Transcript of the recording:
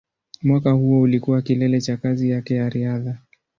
Mwaka huo ulikuwa kilele cha kazi yake ya riadha.